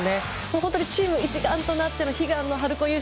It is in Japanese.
本当にチーム一丸となって春高優勝